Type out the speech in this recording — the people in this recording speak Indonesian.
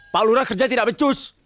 pak lurah kerja tidak becus